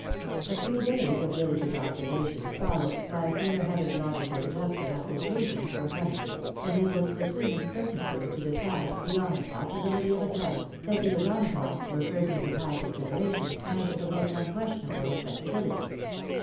A few days of diligent observation, followed by a clear headed logical deduction of conclusions from premises, enabled the two Miss Perkinses to decide, beyond the possibility of a doubt, that the O'Donagoughs were persons of high consideration, and the most unquestionable respectability.